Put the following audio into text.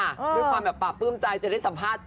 ด้วยความแบบปราบปลื้มใจจะได้สัมภาษณ์